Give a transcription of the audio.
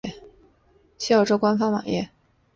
西澳州政府官方网页